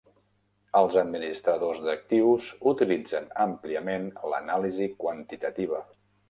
Els administradors d'actius utilitzen àmpliament l'anàlisi quantitativa.